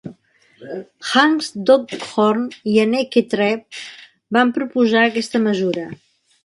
Hans Dockhorn i Anneke Treep van proposar aquesta mesura.